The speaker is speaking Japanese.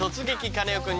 カネオくん」。